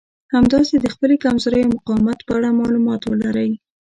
همداسې د خپلې کمزورۍ او مقاومت په اړه مالومات ولرئ.